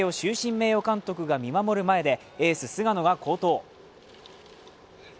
名誉監督が見守る前で、エース・菅野が好投。